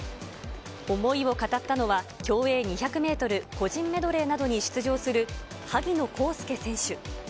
思いを語ったのは、競泳２００メートル個人メドレーなどに出場する萩野公介選手。